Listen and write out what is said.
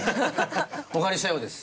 お借りしたようです。